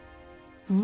うん？